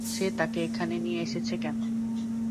সে তাকে এখানে নিয়ে এসেছে কেন?